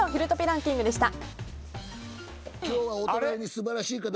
ランキングでした。